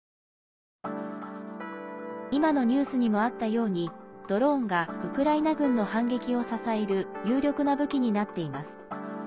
今のニュースにもあったようにドローンがウクライナ軍の反撃を支える有力な武器になっています。